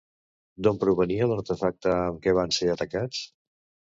D'on provenia l'artefacte amb què van ser atacats?